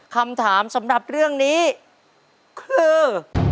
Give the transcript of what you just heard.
คำถามสำหรับเรื่องนี้คือ